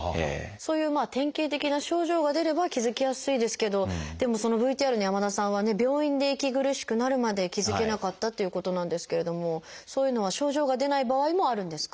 そういうまあ典型的な症状が出れば気付きやすいですけどでもそのＶＴＲの山田さんはね病院で息苦しくなるまで気付けなかったっていうことなんですけれどもそういうのは症状が出ない場合もあるんですか？